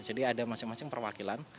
jadi ada masing masing perwakilan